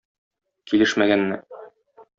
Килешмәгәнне!